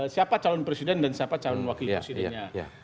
siapa calon presiden dan siapa calon wakil presidennya